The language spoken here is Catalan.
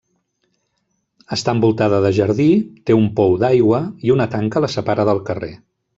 Està envoltada de jardí, té un pou d'aigua i una tanca la separa del carrer.